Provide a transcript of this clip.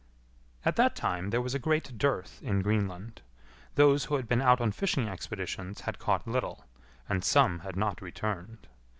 At that time there was a great dearth in Greenland; those who had been out on fishing expeditions had caught little, and some had not returned.